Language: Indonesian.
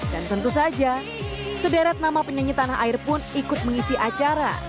dan tentu saja sederet nama penyanyi tanah air pun ikut mengisi acara